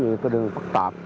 nó cũng có nhiều đường phức tạp